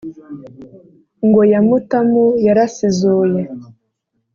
ngo ya mutamu yarasizoye